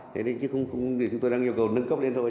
thế nên chúng tôi đang yêu cầu nâng cấp lên thôi